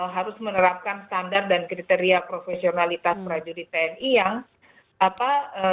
harus menerapkan standar dan kriteria profesionalitas prajurit tni yang apa